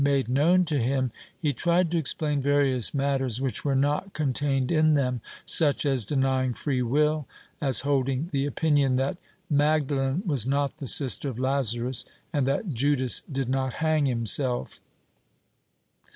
VII] FRANCISCO SANCHEZ 167 known to him, he tried to explain various matters which were not contained in them, such as denying free will, as holding the opinion that Magdalen was not the sister of Lazarus, and that Judas did not hang himself.